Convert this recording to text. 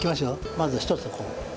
まず１つこう。